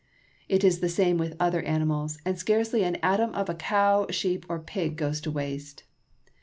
It is the same with other animals, and scarcely an atom of a cow, sheep, or pig goes to waste.